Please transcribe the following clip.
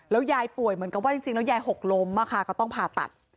ยายป่วยเหมือนกับว่าจริงแล้วยายหกล้มก็ต้องผ่าตัด